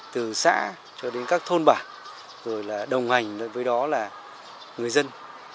từ xã cho đến các thôn bản rồi là đồng hành với đó là người dân